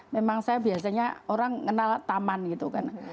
memang saya biasanya orang kenal taman gitu kan